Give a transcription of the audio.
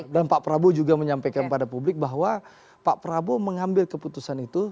dan pak prabowo juga menyampaikan kepada publik bahwa pak prabowo mengambil keputusan itu